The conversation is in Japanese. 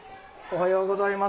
おはようございます。